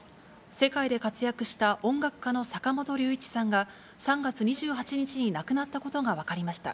世界で活躍した音楽家の坂本龍一さんが、３月２８日に亡くなったことが分かりました。